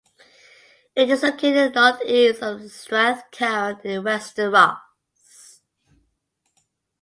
It is located northeast of Strathcarron in Wester Ross.